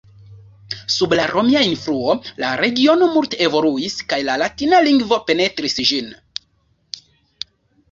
Sub la romia influo la regiono multe evoluis kaj la latina lingvo penetris ĝin.